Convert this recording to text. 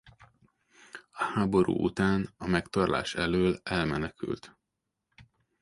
A háború után a megtorlás elől elmenekült.